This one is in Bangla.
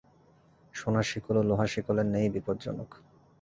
সোনার শিকলও লোহার শিকলের ন্যায়ই বিপজ্জনক।